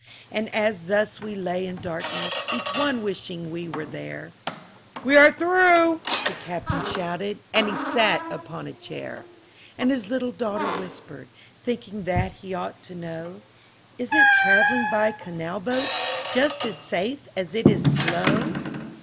And as thus we lay in darkness, Each one wishing we were there, "We are through!" the captain shouted, And he sat upon a chair. And his little daughter whispered, Thinking that he ought to know, "Isn't travelling by canal boats Just as safe as it is slow?"